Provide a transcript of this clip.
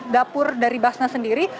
dapur dari basnas sendiri